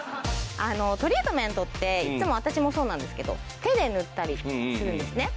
トリートメントっていつも私もそうなんですけど手で塗ったりするんですね。